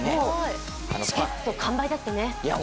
チケット完売だってね。